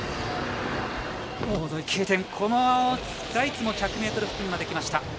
このザイツも１００ｍ付近まできました。